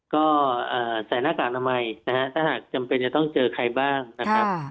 ก็ใส่หน้ากากอนามัยนะฮะถ้าหากจำเป็นจะต้องเจอใครบ้างนะครับ